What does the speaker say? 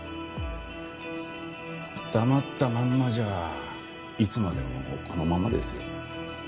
黙ったまんまじゃいつまでもこのままですよ